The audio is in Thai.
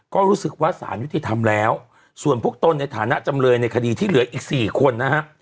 ก็รู้สึกว่าสารยุติธรรมแล้วส่วนพวกตนในฐานะจำเลยในคดีที่เหลืออีก๔คนนะฮะ